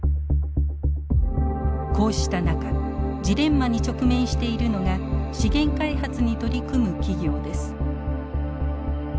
こうした中ジレンマに直面しているのが資源開発に取り組む企業です。